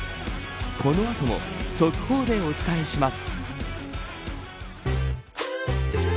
この後も速報でお伝えします。